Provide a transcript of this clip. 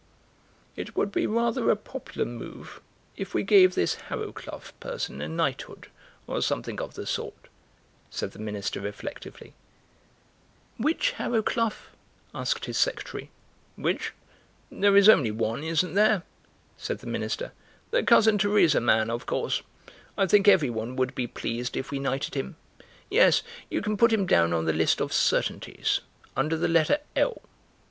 "It would be rather a popular move if we gave this Harrowcluff person a knighthood or something of the sort," said the Minister reflectively. "Which Harrowcluff?" asked his secretary. "Which? There is only one, isn't there?" said the Minister; "the 'Cousin Teresa' man, of course. I think every one would be pleased if we knighted him. Yes, you can put him down on the list of certainties—under the letter L."